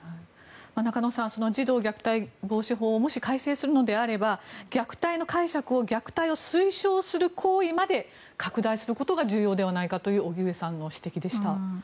中野さん児童虐待防止法をもし改正するのなら虐待の解釈を虐待を推奨する行為まで拡大することが重要ではないかという荻上さんの指摘でした。